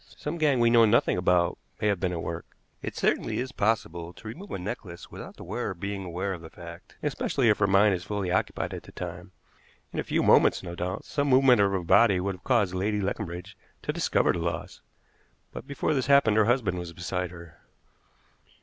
"Some gang we know nothing about may have been at work. It certainly is possible to remove a necklace without the wearer being aware of the fact, especially if her mind is fully occupied at the time. In a few moments, no doubt, some movement of her body would have caused Lady Leconbridge to discover the loss, but before this happened her husband was beside her."